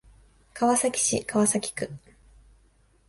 川崎市川崎区